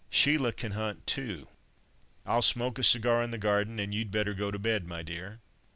Sheila can hunt too. I'll smoke a cigar in the garden, and you'd better go to bed, my dear."